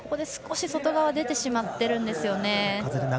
少し外側に出てしまっているんですよね。